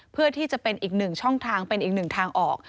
เพื่อที่จะเป็นอีกหนึ่งช่องทางเป็นอีกหนึ่งทางออก